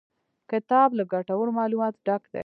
کتاب له ګټورو معلوماتو ډک دی.